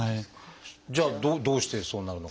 じゃあどうしてそうなるのか。